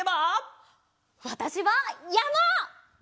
わたしはやま！